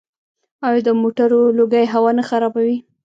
آیا د موټرو لوګی هوا نه خرابوي؟